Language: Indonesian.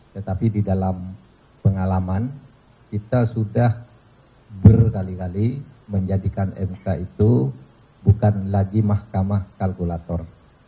tetapi di dalam pengalaman kita sudah berkali kali menjadikan mk itu bukan lagi mahkamah kalkulator